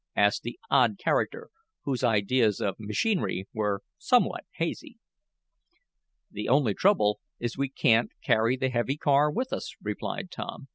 asked the odd character, whose ideas of machinery were somewhat hazy. "The only trouble is we can't carry the heavy car with us," replied Tom.